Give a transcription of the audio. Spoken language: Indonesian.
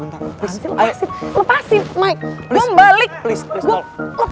berani lo ya kasar sama michelle